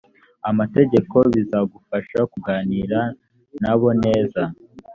amategeko bizagufasha kuganira na bo neza